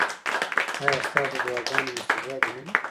ایا ستاسو دعاګانې مستجابې نه دي؟